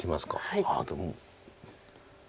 ああでも。